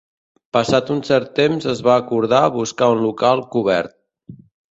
Passat un cert temps es va acordar buscar un local cobert.